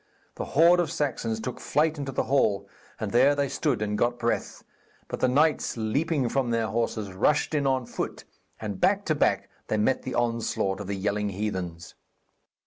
The horde of Saxons took flight into the hall, and there they stood and got breath. But the knights, leaping from their horses, rushed in on foot, and back to back they met the onslaught of the yelling heathens.